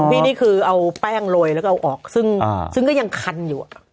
นี่คือเอาแป้งโรยแล้วก็เอาออกซึ่งก็ยังคันอยู่